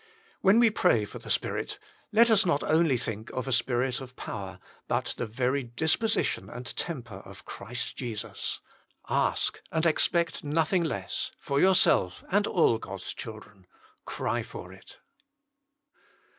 When we pray for the Spirit, let us not only think of a Spirit of power, but the very disposition and temper of Christ Jesus. Ask and expect nothing less : for yourself, and all God s children, cry for it.